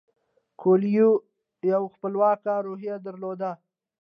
کویلیو یوه خپلواکه روحیه درلوده.